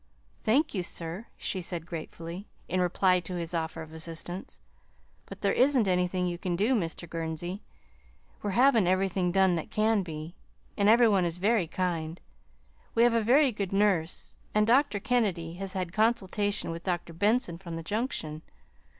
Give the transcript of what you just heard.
"Thank you, sir," she said gratefully, in reply to his offer of assistance, "but there isn't anything you can do, Mr. Gurnsey. We're having everything done that can be, and every one is very kind. We have a very good nurse, and Dr. Kennedy has had consultation with Dr. Benson from the Junction.